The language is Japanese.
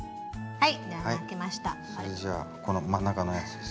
はい。